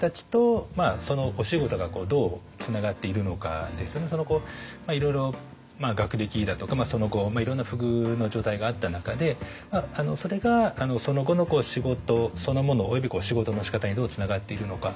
やっぱり何て言うんでしょうかねいろいろ学歴だとかその後いろんな不遇の状態があった中でそれがその後の仕事そのものおよび仕事のしかたにどうつながっていくのか。